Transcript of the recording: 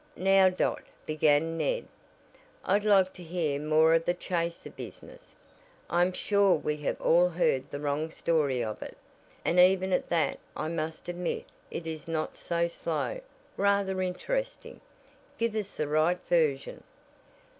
"Now Dot," began Ned, "I'd like to hear more of the 'chaser' business. I am sure we have all heard the wrong story of it, and even at that I must admit it is not so slow rather interesting. Give us the right version."